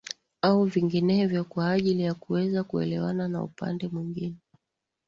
Au vinginevyo kawa ajili ya kuweza kuelewana na upande mwingine